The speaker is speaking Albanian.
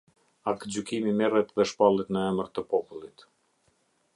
Aktgjykimi merret dhe shpallet në emër të popullit.